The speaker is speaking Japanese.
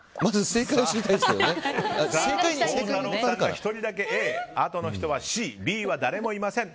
孝太郎さんが１人だけＡあとの人はＣ、Ｂは誰もいません。